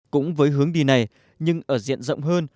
cũng với hướng đi này nhưng ở diện rộng hơn